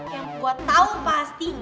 yang gue tau pasti